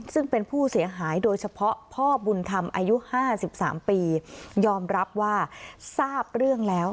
ซึ่งเป็นผู้เสียหายโดยเฉพาะพ่อบุญธรรมอายุ๕๓ปียอมรับว่าทราบเรื่องแล้ว